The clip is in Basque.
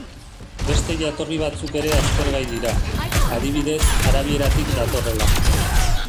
Beste jatorri batzuk ere aztergai dira, adibidez arabieratik datorrela.